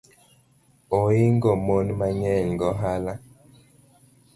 Oingo mon mang’eny gohala